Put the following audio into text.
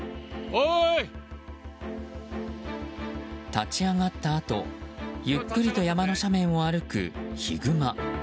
立ち上がったあとゆっくりと山の斜面を歩くヒグマ。